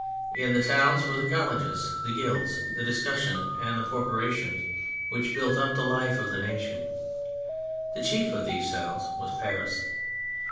In the towns were the colleges, the guilds, the discussion and the corporations which built up the life of the nation. The chief of these towns was Paris.